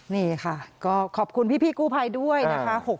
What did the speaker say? นี่ค่ะก็ขอบคุณพี่กู้ภัยด้วยนะคะ